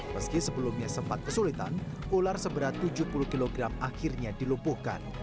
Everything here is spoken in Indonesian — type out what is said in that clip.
meski sebelumnya sempat kesulitan ular seberat tujuh puluh kg akhirnya dilumpuhkan